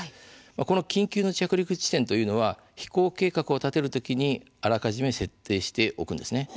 この緊急の着陸地点というのは飛行計画を立てる時にあらかじめ設定しておくんです。